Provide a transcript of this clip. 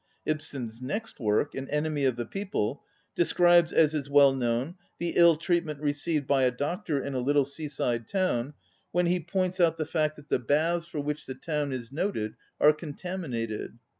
Ibsen's next work, " An Enemy of the People," describes, as is well known, the ill treatment received by a doctor in a little seaside town when he points out 41 ON READING the fact that the baths for which the town is noted are contaminated.